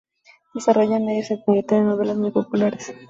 Desarrollo medio centenar de telenovelas muy populares.